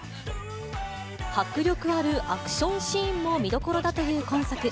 迫力あるアクションシーンも見どころだという今作。